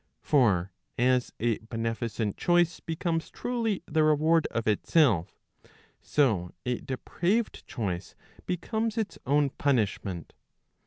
For as a beneficent choice becomes truly the reward of itself, so a depraved choice becomes its own punishment.